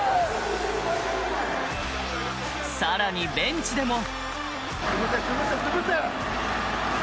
さらにベンチでも。